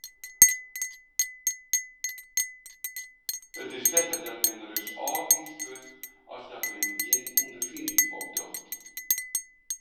It is better dat men ris ôfwiisd wurdt as dat men gjin ûnderfining opdocht.